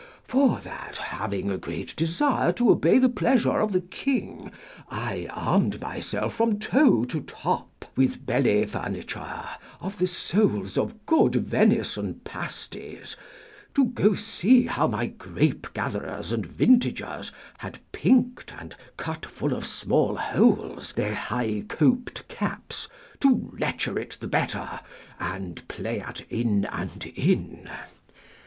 For that, having a great desire to obey the pleasure of the king, I armed myself from toe to top with belly furniture, of the soles of good venison pasties, to go see how my grape gatherers and vintagers had pinked and cut full of small holes their high coped caps, to lecher it the better, and play at in and in.